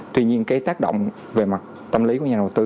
tuy nhiên cái tác động về mặt tâm lý của nhà đầu tư